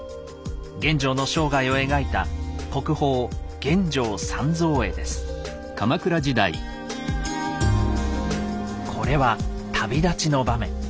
玄奘の生涯を描いたこれは旅立ちの場面。